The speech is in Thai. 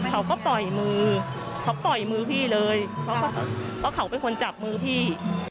เขาก็ปล่อยมือเขาปล่อยมือพี่เลยเพราะเขาเป็นคนจับมือพี่